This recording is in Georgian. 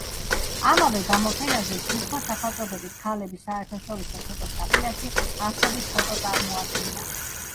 ამავე გამოფენაზე ჯგუფმა სახელწოდებით „ქალები საერთაშორისო ფოტოგრაფიაში“ ასობით ფოტო წარმოადგინა.